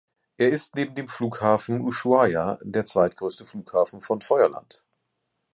Er ist neben dem Flughafen Ushuaia der zweite große Flughafen von Feuerland.